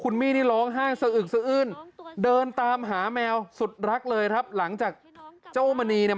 น้องไม่เคยออกจากบ้านเลยอะ